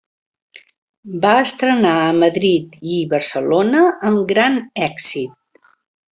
Va estrenar a Madrid i Barcelona amb gran èxit.